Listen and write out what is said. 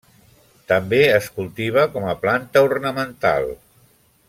També es cultiva com a planta ornamental.